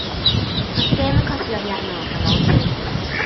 Roedd stêm yn codi oddi arno, yng nghanol y llyn.